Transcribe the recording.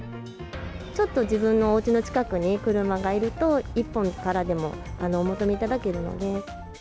ちょっと自分のおうちの近くに車がいると、一本からでもお求めいただけるので。